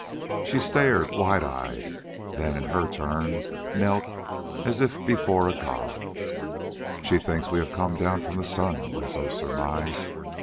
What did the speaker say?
She stared, wide eyed, then in her turn knelt as if before a god. "She thinks we have come down from the sun," Winslow surmised.